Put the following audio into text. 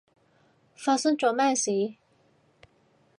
發生咗咩事？